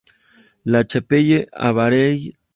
La Chapelle-Aubareil